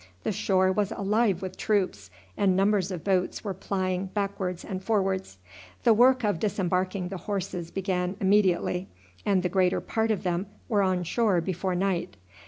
The shore was alive with troops, and numbers of boats were plying backwards and forwards. The work of disembarking the horses began immediately, and the greater part of them were on shore before night.